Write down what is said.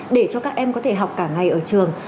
để cho các em có thể học cả ngày ở trường